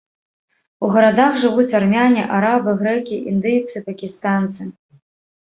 У гарадах жывуць армяне, арабы, грэкі, індыйцы, пакістанцы.